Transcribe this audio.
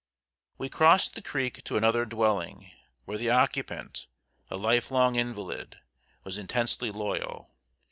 ] We crossed the creek to another dwelling, where the occupant, a life long invalid, was intensely loyal.